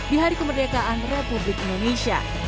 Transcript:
di hari kemerdekaan republik indonesia